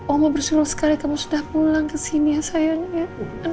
oh mau bersyukur sekali kamu sudah pulang kesini ya sayangnya